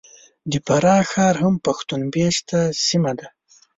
د فراه ښار هم پښتون مېشته سیمه ده .